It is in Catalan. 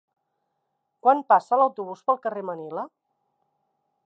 Quan passa l'autobús pel carrer Manila?